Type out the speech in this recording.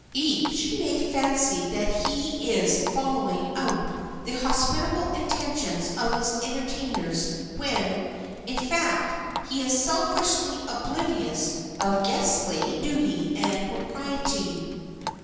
Each may fancy that he is following out the hospitable intentions of his entertainers when, in fact, he is selfishly oblivious of guestly duty and propriety.